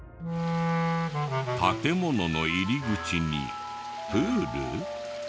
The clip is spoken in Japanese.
建物の入り口にプール？